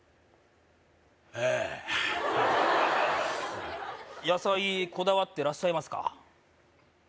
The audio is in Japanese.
ええ野菜こだわってらっしゃいますか？